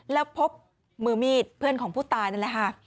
แล้วพบมือมีดเพื่อนของผู้ตายนั่นแหละค่ะ